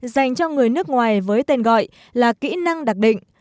dành cho người nước ngoài với tên gọi là kỹ năng đặc định